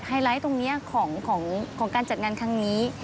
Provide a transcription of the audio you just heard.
ไลท์ตรงนี้ของการจัดงานครั้งนี้